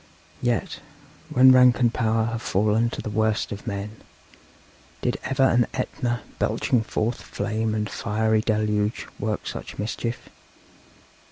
Yet, when rank and power have fallen to the worst of men, did ever an Etna, belching forth flame and fiery deluge, work such mischief?